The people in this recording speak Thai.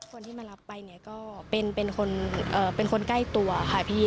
คนที่มารับไปเนี่ยก็เป็นคนใกล้ตัวค่ะพี่